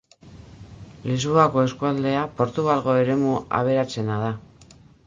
Lisboako eskualdea Portugalgo eremu aberatsena da.